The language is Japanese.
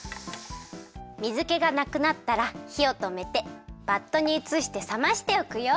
水けがなくなったらひをとめてバットにうつしてさましておくよ。